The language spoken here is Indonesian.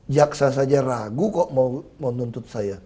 jaksa saja ragu kok mau menuntut saya